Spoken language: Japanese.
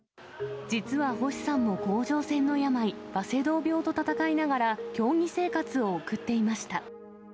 実は星さんも甲状腺の病、バセドウ病と闘いながら競技生活を送っていました。